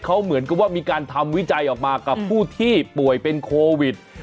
เขาเหมือนกับว่ามีการทำวิจัยออกมากับผู้ที่ป่วยเป็นโควิด